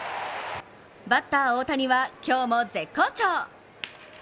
バッター大谷は、今日も絶好調。